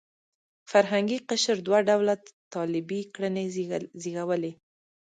فرهنګي قشر دوه ډوله طالبي کړنې زېږولې.